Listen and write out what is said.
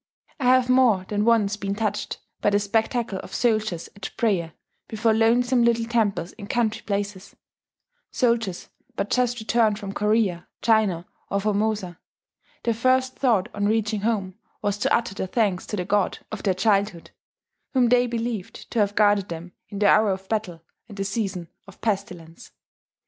I have more than once been touched by the spectacle of soldiers at prayer before lonesome little temples in country places, soldiers but just returned from Korea, China, or Formosa: their first thought on reaching home was to utter their thanks to the god of their childhood, whom they believed to have guarded them in the hour of battle and the season of pestilence.